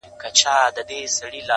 لکه باران اوس د هيندارو له کوڅې وځم,